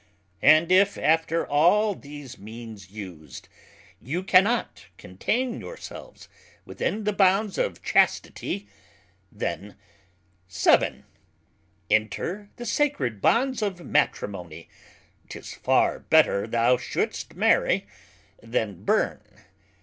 And if, after all these Means used, you cannot contain your selves within the bounds of Chastity, then 7. Enter the sacred Bonds of Matrimony: 'Tis far better thou shouldest marry then burn.